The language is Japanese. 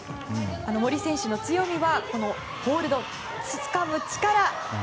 森選手の強みは、このホールドをつかむ力。